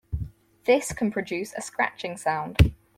This can produce a scratching sound.